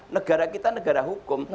negara kita negara hukum